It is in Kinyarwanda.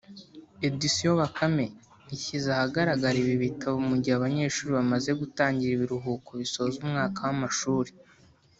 Editions Bakame ishyize ahagaragara ibi bitabo mu gihe abanyeshuri bamaze gutangira ibiruhuko bisoza umwaka w’amashuri